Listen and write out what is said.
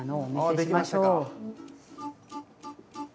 できましたか。